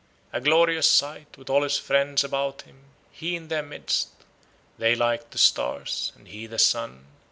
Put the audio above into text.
A glorious sight, with all his friends about him, He in their midst, They like to stars, and he the sun.